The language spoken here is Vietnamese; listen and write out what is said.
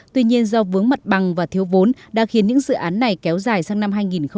tuy nhiên do vướng mặt bằng và thiếu vốn đã khiến những dự án này kéo dài sang năm hai nghìn hai mươi